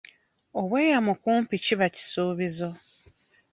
Obweyamo kumpi kiba kisuubizo.